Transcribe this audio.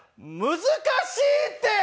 難しいって！